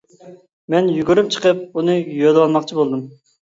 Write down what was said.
مەن يۈگۈرۈپ چىقىپ ئۇنى يۆلىۋالماقچى بولدۇم.